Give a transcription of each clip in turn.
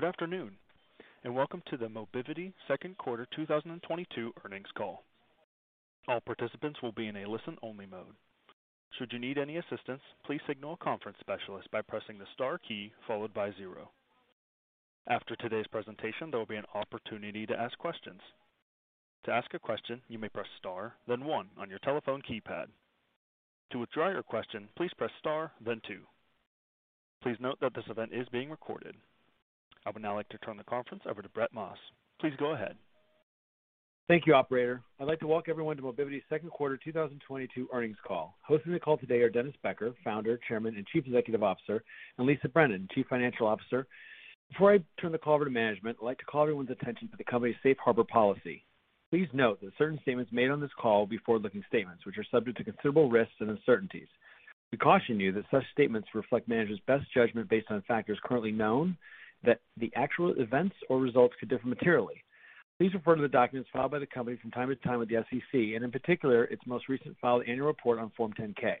Good afternoon, and welcome to the Mobivity Second Quarter 2022 Earnings Call. All participants will be in a listen-only mode. Should you need any assistance, please signal a conference specialist by pressing the star key followed by zero. After today's presentation, there will be an opportunity to ask questions. To ask a question, you may press star, then one on your telephone keypad. To withdraw your question, please press star, then two. Please note that this event is being recorded. I would now like to turn the conference over to Brett Maas. Please go ahead. Thank you, operator. I'd like to welcome everyone to Mobivity's second quarter 2022 earnings call. Hosting the call today are Dennis Becker, Founder, Chairman, and Chief Executive Officer, and Lisa Brennan, Chief Financial Officer. Before I turn the call over to management, I'd like to call everyone's attention to the company's Safe Harbor policy. Please note that certain statements made on this call will be forward-looking statements, which are subject to considerable risks and uncertainties. We caution you that such statements reflect management's best judgment based on factors currently known, that the actual events or results could differ materially. Please refer to the documents filed by the company from time to time with the SEC, and in particular, its most recent filed annual report on Form 10-K.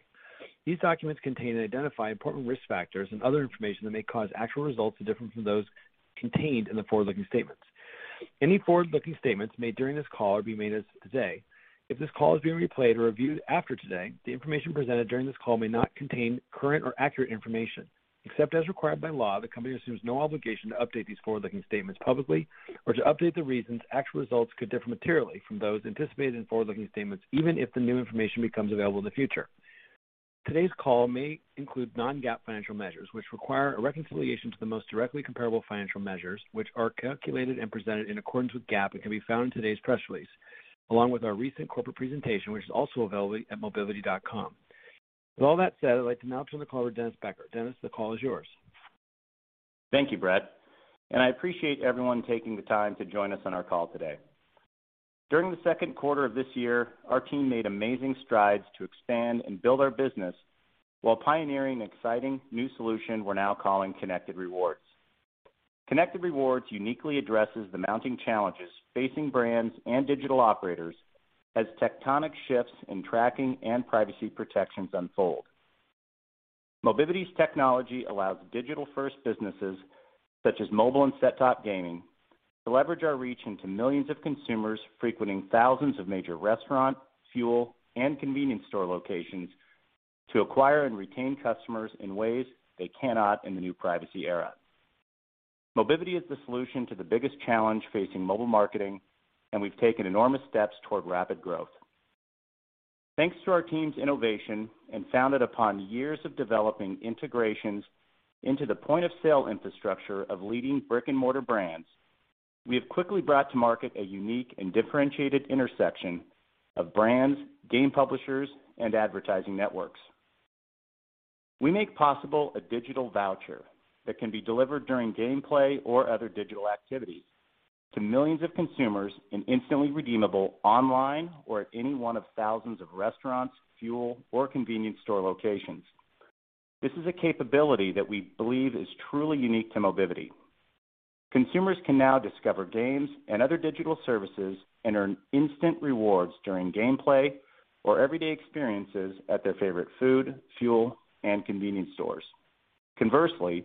These documents contain and identify important risk factors and other information that may cause actual results to differ from those contained in the forward-looking statements. Any forward-looking statements made during this call will be made as of today. If this call is being replayed or reviewed after today, the information presented during this call may not contain current or accurate information. Except as required by law, the company assumes no obligation to update these forward-looking statements publicly or to update the reasons actual results could differ materially from those anticipated in forward-looking statements, even if the new information becomes available in the future. Today's call may include non-GAAP financial measures, which require a reconciliation to the most directly comparable financial measures, which are calculated and presented in accordance with GAAP and can be found in today's press release, along with our recent corporate presentation, which is also available at mobivity.com. With all that said, I'd like to now turn the call over to Dennis Becker. Dennis, the call is yours. Thank you, Brett, and I appreciate everyone taking the time to join us on our call today. During the second quarter of this year, our team made amazing strides to expand and build our business while pioneering an exciting new solution we're now calling Connected Rewards. Connected Rewards uniquely addresses the mounting challenges facing brands and digital operators as tectonic shifts in tracking and privacy protections unfold. Mobivity's technology allows digital-first businesses, such as mobile and set-top gaming, to leverage our reach into millions of consumers frequenting thousands of major restaurant, fuel, and convenience store locations to acquire and retain customers in ways they cannot in the new privacy era. Mobivity is the solution to the biggest challenge facing mobile marketing, and we've taken enormous steps toward rapid growth. Thanks to our team's innovation and founded upon years of developing integrations into the point-of-sale infrastructure of leading brick-and-mortar brands, we have quickly brought to market a unique and differentiated intersection of brands, game publishers, and advertising networks. We make possible a digital voucher that can be delivered during gameplay or other digital activities to millions of consumers and instantly redeemable online or at any one of thousands of restaurants, fuel, or convenience store locations. This is a capability that we believe is truly unique to Mobivity. Consumers can now discover games and other digital services and earn instant rewards during gameplay or everyday experiences at their favorite food, fuel, and convenience stores. Conversely,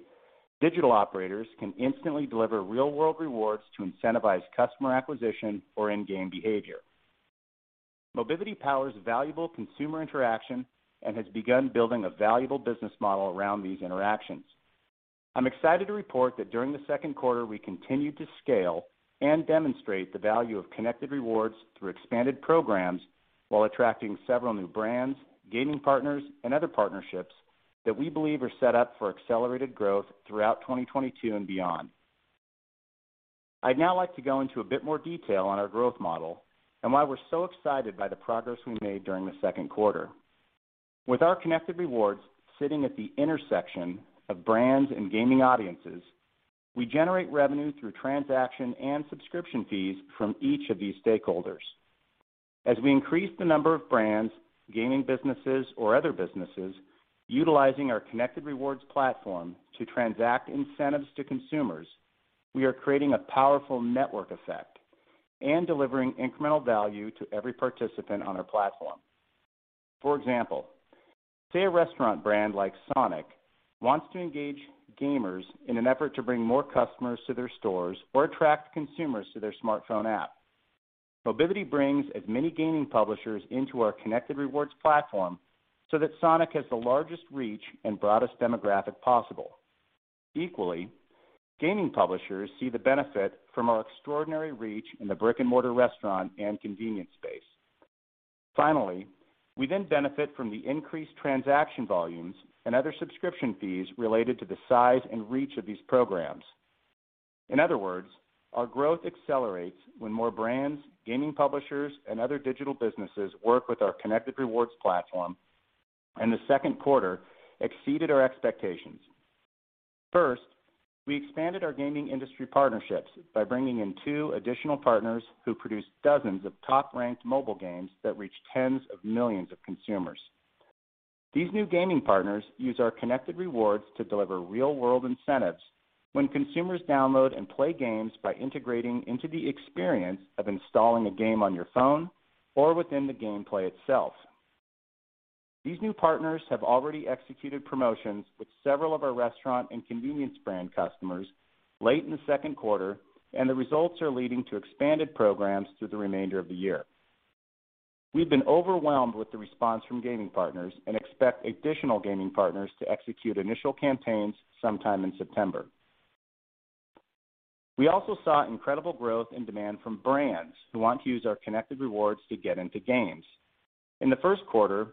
digital operators can instantly deliver real-world rewards to incentivize customer acquisition or in-game behavior. Mobivity powers valuable consumer interaction and has begun building a valuable business model around these interactions. I'm excited to report that during the second quarter, we continued to scale and demonstrate the value of Connected Rewards through expanded programs while attracting several new brands, gaming partners, and other partnerships that we believe are set up for accelerated growth throughout 2022 and beyond. I'd now like to go into a bit more detail on our growth model and why we're so excited by the progress we made during the second quarter. With our Connected Rewards sitting at the intersection of brands and gaming audiences, we generate revenue through transaction and subscription fees from each of these stakeholders. As we increase the number of brands, gaming businesses, or other businesses utilizing our Connected Rewards platform to transact incentives to consumers, we are creating a powerful network effect and delivering incremental value to every participant on our platform. For example, say a restaurant brand like SONIC wants to engage gamers in an effort to bring more customers to their stores or attract consumers to their smartphone app. Mobivity brings as many gaming publishers into our Connected Rewards platform so that SONIC has the largest reach and broadest demographic possible. Equally, gaming publishers see the benefit from our extraordinary reach in the brick-and-mortar restaurant and convenience space. Finally, we then benefit from the increased transaction volumes and other subscription fees related to the size and reach of these programs. In other words, our growth accelerates when more brands, gaming publishers, and other digital businesses work with our Connected Rewards platform, and the second quarter exceeded our expectations. First, we expanded our gaming industry partnerships by bringing in two additional partners who produce dozens of top-ranked mobile games that reach tens of millions of consumers. These new gaming partners use our Connected Rewards to deliver real-world incentives when consumers download and play games by integrating into the experience of installing a game on your phone or within the gameplay itself. These new partners have already executed promotions with several of our restaurant and convenience brand customers late in the second quarter, and the results are leading to expanded programs through the remainder of the year. We've been overwhelmed with the response from gaming partners and expect additional gaming partners to execute initial campaigns sometime in September. We also saw incredible growth in demand from brands who want to use our Connected Rewards to get into games. In the first quarter,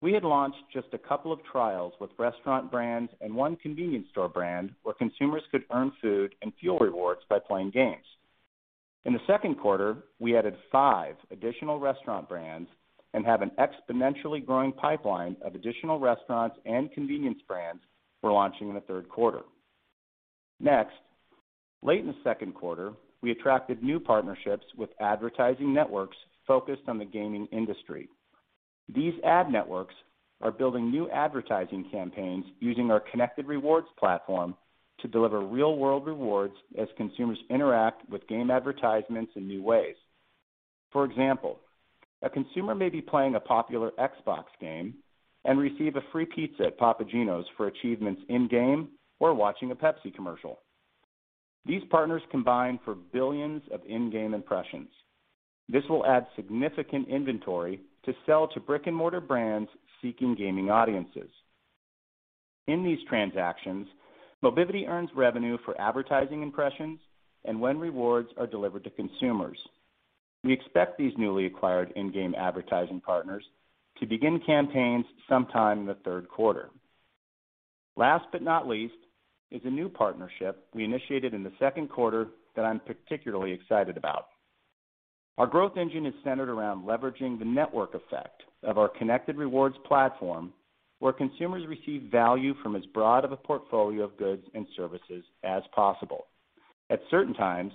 we had launched just a couple of trials with restaurant brands and one convenience store brand where consumers could earn food and fuel rewards by playing games. In the second quarter, we added five additional restaurant brands and have an exponentially growing pipeline of additional restaurants and convenience brands we're launching in the third quarter. Next, late in the second quarter, we attracted new partnerships with advertising networks focused on the gaming industry. These ad networks are building new advertising campaigns using our Connected Rewards platform to deliver real-world rewards as consumers interact with game advertisements in new ways. For example, a consumer may be playing a popular Xbox game and receive a free pizza at Papa Gino's for achievements in-game or watching a Pepsi commercial. These partners combine for billions of in-game impressions. This will add significant inventory to sell to brick-and-mortar brands seeking gaming audiences. In these transactions, Mobivity earns revenue for advertising impressions and when rewards are delivered to consumers. We expect these newly acquired in-game advertising partners to begin campaigns sometime in the third quarter. Last but not least is a new partnership we initiated in the second quarter that I'm particularly excited about. Our growth engine is centered around leveraging the network effect of our Connected Rewards platform, where consumers receive value from as broad of a portfolio of goods and services as possible. At certain times,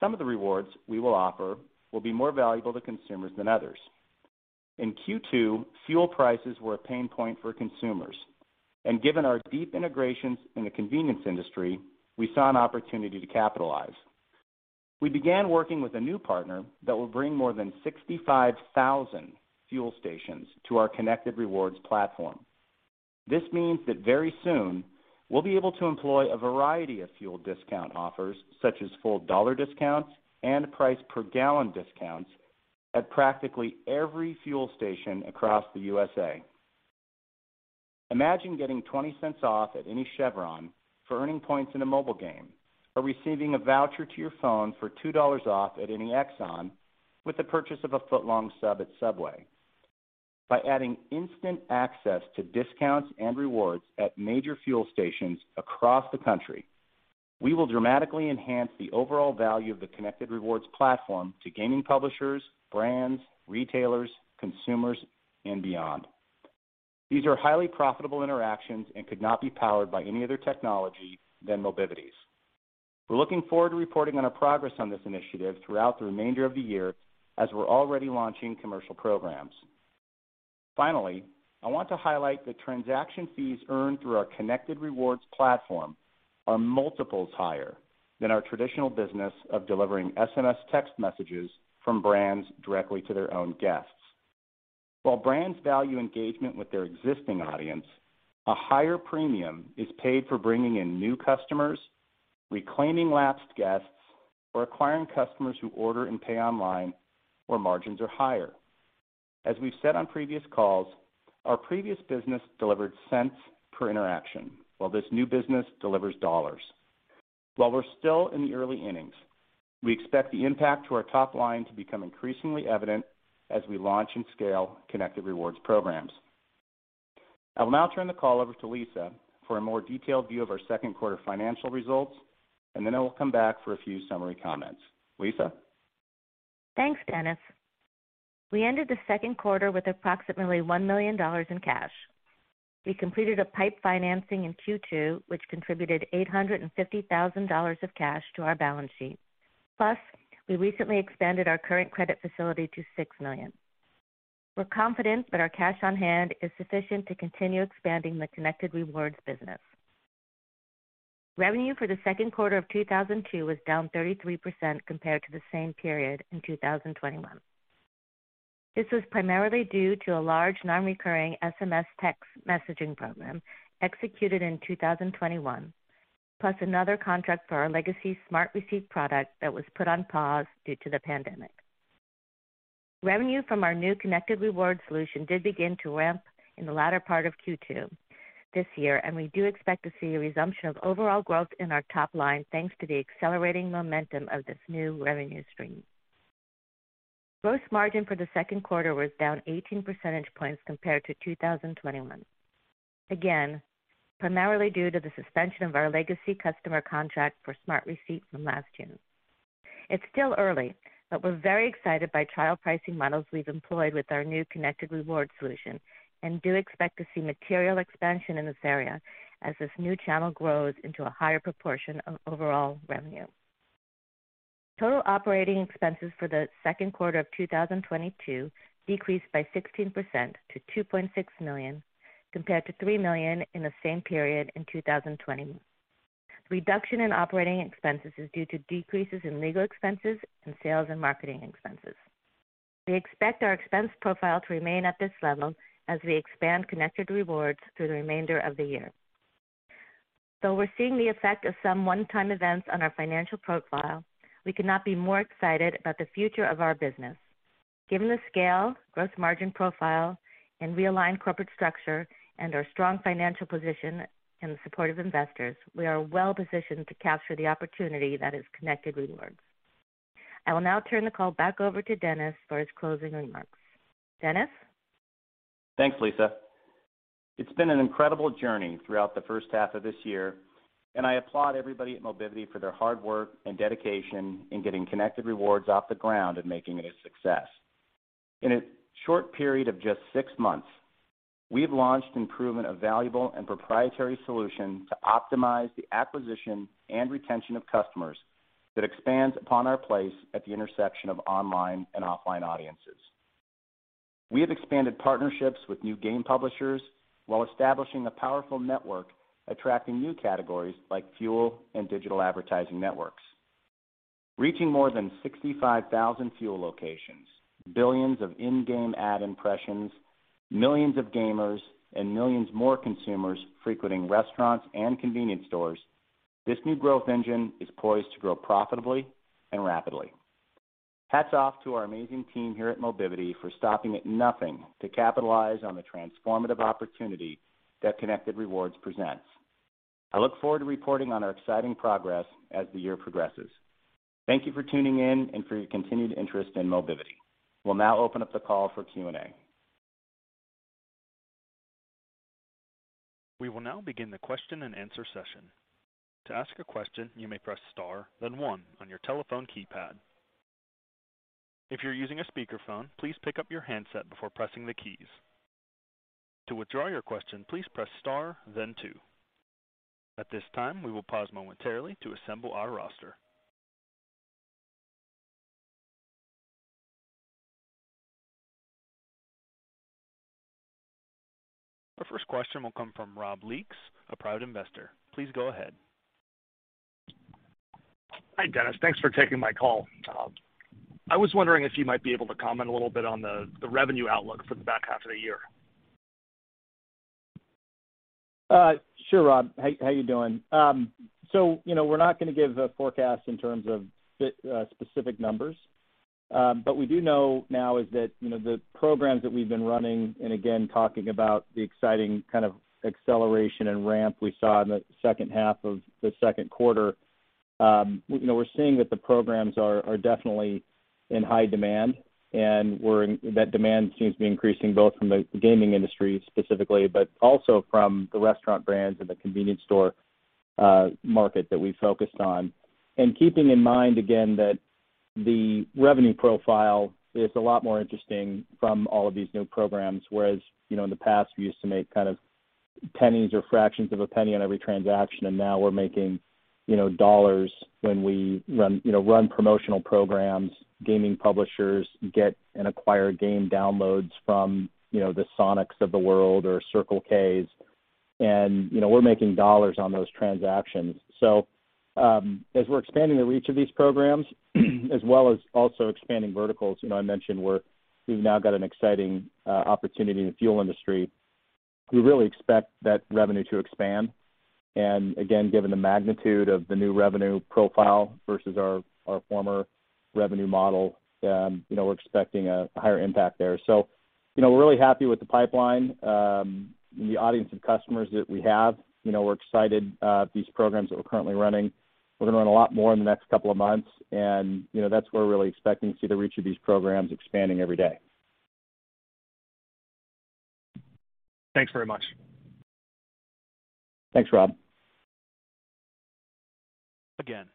some of the rewards we will offer will be more valuable to consumers than others. In Q2, fuel prices were a pain point for consumers, and given our deep integrations in the convenience industry, we saw an opportunity to capitalize. We began working with a new partner that will bring more than 65,000 fuel stations to our Connected Rewards platform. This means that very soon we'll be able to employ a variety of fuel discount offers such as full dollar discounts and price per gallon discounts at practically every fuel station across the USA. Imagine getting $0.20 off at any Chevron for earning points in a mobile game or receiving a voucher to your phone for $2 off at any Exxon with the purchase of a foot-long sub at Subway. By adding instant access to discounts and rewards at major fuel stations across the country, we will dramatically enhance the overall value of the Connected Rewards platform to gaming publishers, brands, retailers, consumers, and beyond. These are highly profitable interactions and could not be powered by any other technology than Mobivity's. We're looking forward to reporting on our progress on this initiative throughout the remainder of the year as we're already launching commercial programs. Finally, I want to highlight that transaction fees earned through our Connected Rewards platform are multiples higher than our traditional business of delivering SMS text messages from brands directly to their own guests. While brands value engagement with their existing audience, a higher premium is paid for bringing in new customers, reclaiming lapsed guests, or acquiring customers who order and pay online where margins are higher. As we've said on previous calls, our previous business delivered cents per interaction while this new business delivers dollars. While we're still in the early innings, we expect the impact to our top line to become increasingly evident as we launch and scale Connected Rewards programs. I will now turn the call over to Lisa for a more detailed view of our second quarter financial results, and then I will come back for a few summary comments. Lisa. Thanks, Dennis. We ended the second quarter with approximately $1 million in cash. We completed a PIPE financing in Q2, which contributed $850,000 of cash to our balance sheet. We recently expanded our current credit facility to $6 million. We're confident that our cash on hand is sufficient to continue expanding the Connected Rewards business. Revenue for the second quarter of 2022 was down 33% compared to the same period in 2021. This was primarily due to a large non-recurring SMS text messaging program executed in 2021, plus another contract for our legacy SmartReceipt product that was put on pause due to the pandemic. Revenue from our new Connected Rewards solution did begin to ramp in the latter part of Q2 this year, and we do expect to see a resumption of overall growth in our top line thanks to the accelerating momentum of this new revenue stream. Gross margin for the second quarter was down 18 percentage points compared to 2021. Again, primarily due to the suspension of our legacy customer contract for SmartReceipt from last year. It's still early, but we're very excited by trial pricing models we've employed with our new Connected Rewards solution and do expect to see material expansion in this area as this new channel grows into a higher proportion of overall revenue. Total operating expenses for the second quarter of 2022 decreased by 16% to $2.6 million, compared to $3 million in the same period in 2021. Reduction in operating expenses is due to decreases in legal expenses and sales and marketing expenses. We expect our expense profile to remain at this level as we expand Connected Rewards through the remainder of the year. Though we're seeing the effect of some one-time events on our financial profile, we could not be more excited about the future of our business. Given the scale, gross margin profile, and realigned corporate structure and our strong financial position and the support of investors, we are well-positioned to capture the opportunity that is Connected Rewards. I will now turn the call back over to Dennis for his closing remarks. Dennis? Thanks, Lisa. It's been an incredible journey throughout the first half of this year, and I applaud everybody at Mobivity for their hard work and dedication in getting Connected Rewards off the ground and making it a success. In a short period of just six months, we've launched an innovative, valuable and proprietary solution to optimize the acquisition and retention of customers that expands upon our place at the intersection of online and offline audiences. We have expanded partnerships with new game publishers while establishing a powerful network, attracting new categories like fuel and digital advertising networks. Reaching more than 65,000 fuel locations, billions of in-game ad impressions, millions of gamers, and millions more consumers frequenting restaurants and convenience stores, this new growth engine is poised to grow profitably and rapidly. Hats off to our amazing team here at Mobivity for stopping at nothing to capitalize on the transformative opportunity that Connected Rewards presents. I look forward to reporting on our exciting progress as the year progresses. Thank you for tuning in and for your continued interest in Mobivity. We'll now open up the call for Q&A. We will now begin the question-and-answer session. To ask a question, you may press star, then one on your telephone keypad. If you're using a speakerphone, please pick up your handset before pressing the keys. To withdraw your question, please press star, then two. At this time, we will pause momentarily to assemble our roster. Our first question will come from Rob Leeks, a private investor. Please go ahead. Hi, Dennis. Thanks for taking my call. I was wondering if you might be able to comment a little bit on the revenue outlook for the back half of the year. Sure, Rob. How you doing? So, you know, we're not gonna give a forecast in terms of specific numbers. But what we do know now is that, you know, the programs that we've been running, and again, talking about the exciting kind of acceleration and ramp we saw in the second half of the second quarter, you know, we're seeing that the programs are definitely in high demand. That demand seems to be increasing both from the gaming industry specifically, but also from the restaurant brands and the convenience store market that we focused on. Keeping in mind, again, that the revenue profile is a lot more interesting from all of these new programs, whereas, you know, in the past, we used to make kind of pennies or fractions of a penny on every transaction, and now we're making, you know, dollars when we run promotional programs, gaming publishers get and acquire game downloads from, you know, the SONIC of the world or Circle K. You know, we're making dollars on those transactions. As we're expanding the reach of these programs, as well as also expanding verticals, you know, I mentioned we've now got an exciting opportunity in the fuel industry. We really expect that revenue to expand. Again, given the magnitude of the new revenue profile versus our former revenue model, you know, we're expecting a higher impact there. You know, we're really happy with the pipeline, and the audience and customers that we have. You know, we're excited these programs that we're currently running. We're gonna learn a lot more in the next couple of months. You know, that's where we're really expecting to see the reach of these programs expanding every day. Thanks very much. Thanks, Rob. Again,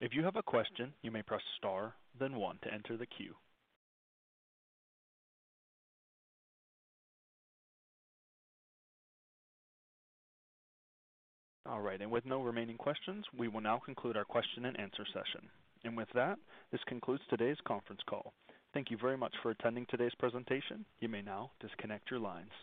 if you have a question, you may press star, then one to enter the queue. All right. With no remaining questions, we will now conclude our question-and-answer session. With that, this concludes today's conference call. Thank you very much for attending today's presentation. You may now disconnect your lines.